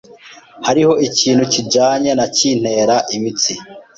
Hariho ikintu kijanye na kintera imitsi.